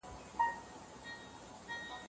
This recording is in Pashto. حق ادا کول د ایمان برخه ده.